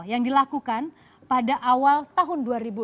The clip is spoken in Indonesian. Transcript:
yang dilakukan pada awal tahun dua ribu enam belas